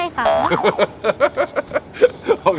ใช่ค่ะ